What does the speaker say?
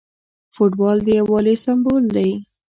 فوټبال د یووالي سمبول دی.